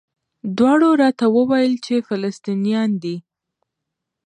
دواړو راته وویل چې فلسطینیان دي.